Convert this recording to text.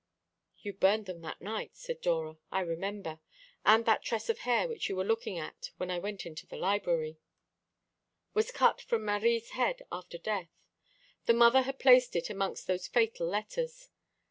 "You burned them that night," said Dora. "I remember. And that tress of hair which you were looking at when I went into the library " "Was cut from Marie's head after death. The mother had placed it amongst those fatal letters.